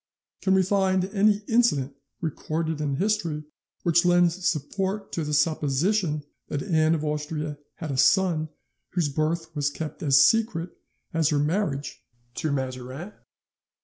Can we find any incident recorded in history which lends support to the supposition that Anne of Austria had a son whose birth was kept as secret as her marriage to Mazarin?